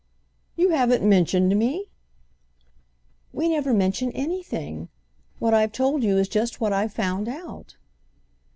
"You haven't mentioned me?" "We never mention anything. What I've told you is just what I've found out."